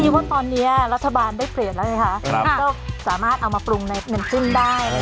ก็สามารถเอามาปรุงในมันจิ้มได้